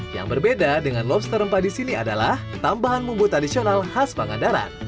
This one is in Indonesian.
yang berbeda dengan lobster rempah di sini adalah tambahan bumbu tradisional khas pangandaran